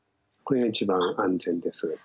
これが一番安全です。